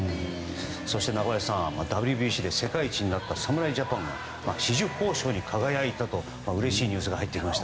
そして中林さんＷＢＣで世界一になった侍ジャパンが紫綬褒章に輝いたといううれしいニュースが入ってきました。